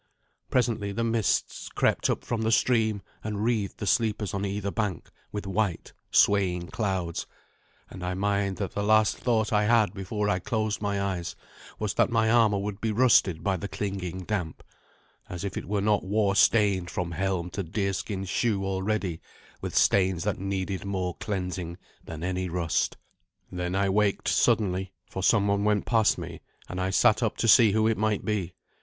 Presently the mists crept up from the stream and wreathed the sleepers on either bank with white, swaying clouds, and I mind that the last thought I had before I closed my eyes was that my armour would be rusted by the clinging damp as if it were not war stained from helm to deerskin shoe already with stains that needed more cleansing than any rust. Then I waked suddenly, for someone went past me, and I sat up to see who it might be.